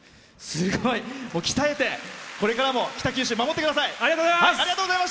すごい！鍛えて、これからも北九州を守ってください。